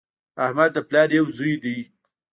احمد د پلار یو زوی دی